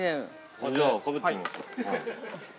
◆じゃあ、かぶってみます。